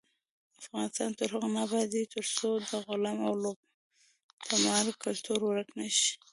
افغانستان تر هغو نه ابادیږي، ترڅو د غلا او لوټمار کلتور ورک نشي.